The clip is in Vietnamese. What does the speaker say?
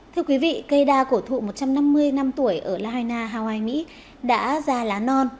thưa quý vị cây đa cổ thụ một trăm năm mươi năm tuổi ở lahaina hawaii mỹ đã ra lá non